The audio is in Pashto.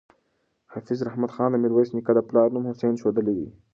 حافظ رحمت خان د میرویس نیکه د پلار نوم حسین ښودلی دی.